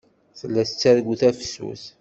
Tella tettargu tafsut.